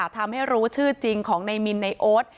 ทำให้รู้ชื่อจริงของในมินในโอ๊ต